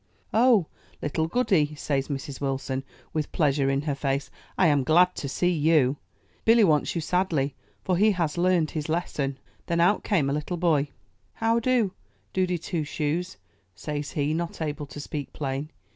"Oh! Little Goody," says Mrs. Wilson, with pleasure in her face, "I am glad to see you. Billy wants you sadly, for he has learned his lesson." Then out came 135 MY BOOK HOUSE a little boy. ''How do, Doody Two Shoes," says he, not able to speak plain.